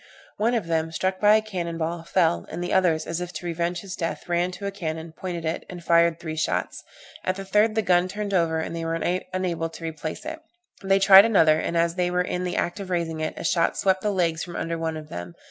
One of them, struck by a cannon ball, fell, and the others, as if to revenge his death, ran to a cannon, pointed it, and fired three shots. At the third, the gun turned over, and they were unable to replace it. They tried another, and as they were in the act of raising it, a shot swept the legs from under one of them.